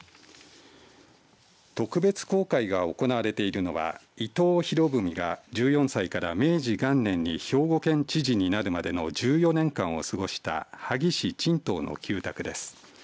特別公開が行われているのは伊藤博文が１４歳から明治元年に兵庫県知事になるまでの１４年間を過ごした萩市椿東の旧宅です。